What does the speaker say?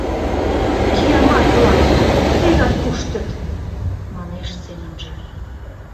«Киямат-влак, тегак пуштыт», — манеш семынже.